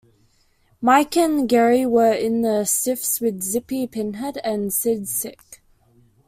Mike and Gerry were in the Stiffs with Zippy Pinhead and Sid Sick.